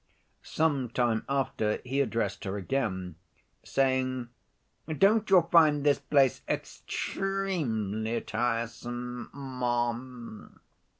Some time after, he addressed her again, saying, "Don't you find this place extremely tiresome, ma'am?"